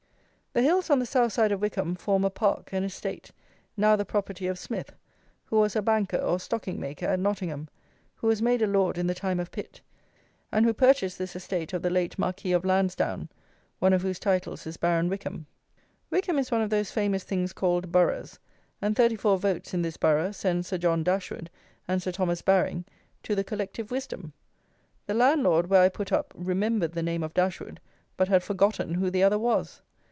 The Hills on the south side of Wycombe form a park and estate now the property of Smith, who was a banker or stocking maker at Nottingham, who was made a Lord in the time of Pitt, and who purchased this estate of the late Marquis of Landsdowne, one of whose titles is Baron Wycombe. Wycombe is one of those famous things called Boroughs, and 34 votes in this Borough send Sir John Dashwood and Sir Thomas Baring to the "collective wisdom." The landlord where I put up "remembered" the name of Dashwood, but had "forgotten" who the "other" was!